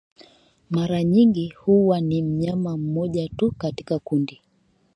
mara nyingi huwa ni mnyama mmoja tu katika kundi